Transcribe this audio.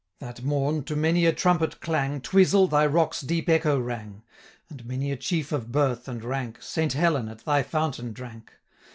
That morn, to many a trumpet clang, 590 Twisel! thy rock's deep echo rang; And many a chief of birth and rank, Saint Helen! at thy fountain drank.